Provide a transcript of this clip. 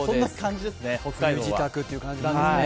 冬支度という感じなんですね。